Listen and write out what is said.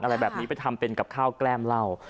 อะไรแบบนี้ไปทำเป็นกับข้าวแกล้มเหล้า